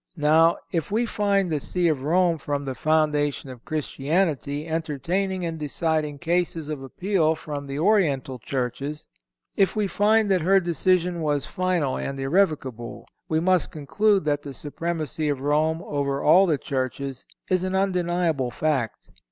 Now, if we find the See of Rome from the foundation of Christianity entertaining and deciding cases of appeal from the Oriental churches; if we find that her decision was final and irrevocable, we must conclude that the supremacy of Rome over all the churches is an undeniable fact.